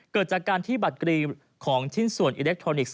เกิดจากการที่บัตรกรีของชิ้นส่วนอิเล็กทรอนิกส์